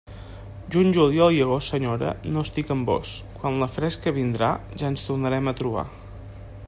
Juny, juliol i agost, senyora, no estic amb vós; quan la fresca vindrà ja ens tornarem a trobar.